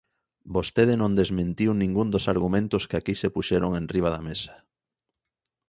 Vostede non desmentiu ningún dos argumentos que aquí se puxeron enriba da mesa.